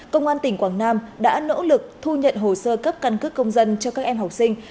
công an tỉnh quảng nam đã nỗ lực thu nhận hồ sơ cấp căn cước công dân cho các em học sinh